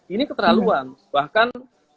ini keterlaluan bahkan